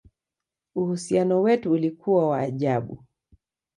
Uhusiano wetu ulikuwa wa ajabu!